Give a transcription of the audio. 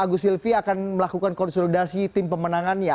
agus silvi akan melakukan konsolidasi tim pemenangannya